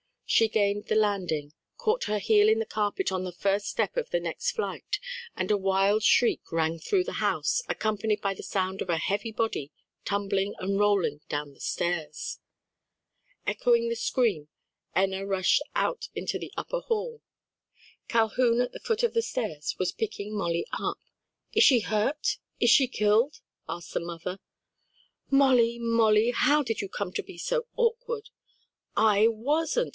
She gained the landing, caught her heel in the carpet on the first step of the next flight, and a wild shriek rang through the house, accompanied by the sound of a heavy body tumbling and rolling down the stairs. Echoing the scream, Enna rushed out into the upper hall. Calhoun at the foot of the stairs, was picking Molly up. "Is she hurt? Is she killed?" asked the mother, "Molly, Molly, how did you come to be so awkward?" "I wasn't!